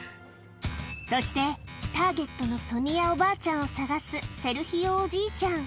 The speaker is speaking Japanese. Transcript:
そして、ターゲットのソニアおばあちゃんを探すセルヒオおじいちゃん。